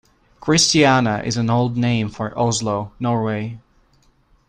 Christiana is an old name for Oslo, Norway.